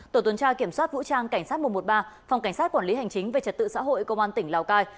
tổ tuần tra kiểm soát vũ trang cảnh sát một trăm một mươi ba phòng cảnh sát quản lý hành chính về trật tự xã hội công an tỉnh lào cai